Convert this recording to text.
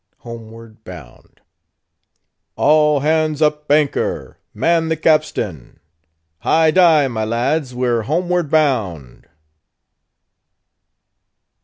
HOMEWARD BOUND. "All hands up anchor! Man the capstan!" "High die! my lads, we're homeward bound!"